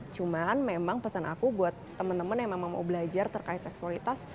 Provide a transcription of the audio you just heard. cuman memang pesan aku buat temen temen yang memang mau belajar terkait seksualitas